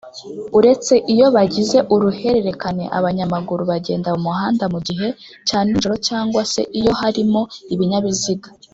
uretse iyo bagize uruherekane, abanyamaguru bagenda mumuhanda mugihe cy’anijoro cg se iyo harimo Ibinyabiziga